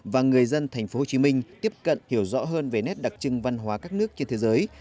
và người dân thành phố hồ chí minh tiếp cận hiểu rõ hơn về nét đặc trưng văn hóa các nước trên thế giới